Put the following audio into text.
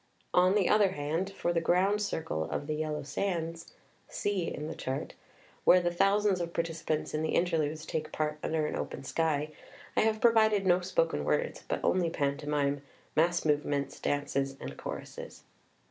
On the other hand, for the ground circle of the "Yellow Sands" [C. in the Chart], where the thousands of partici pants in the Interludes take part under an open sky, I have provided no spoken words, but only pantomime, mass movements, dances and choruses.